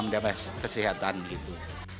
menambah kesehatan gitu